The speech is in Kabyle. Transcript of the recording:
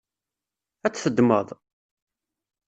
Ad t-teddmeḍ?